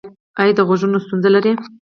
ایا د غوږونو ستونزه لرئ؟